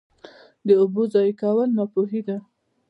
د اوبو ضایع کول ناپوهي ده.